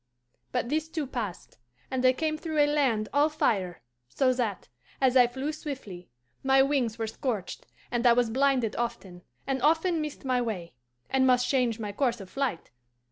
"But this too passed, and I came through a land all fire, so that, as I flew swiftly, my wings were scorched, and I was blinded often, and often missed my way, and must change my course of flight.